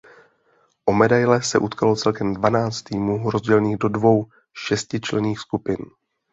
O medaile se utkalo celkem dvanáct týmů rozdělených do dvou šestičlenných skupin.